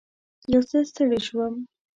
یو څه ستړې شوم.